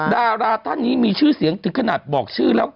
ดาราท่านนี้มีชื่อเสียงถึงขนาดบอกชื่อแล้ว